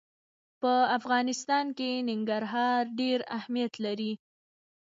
په افغانستان کې ننګرهار ډېر اهمیت لري.